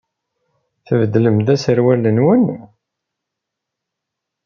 Tbeddlem-d aserwal-nwen?